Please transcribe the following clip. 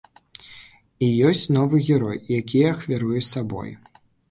І ёсць новы герой, які ахвяруе сабой.